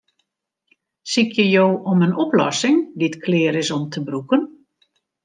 Sykje jo om in oplossing dy't klear is om te brûken?